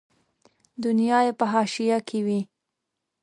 دنیا یې په حاشیه کې وي.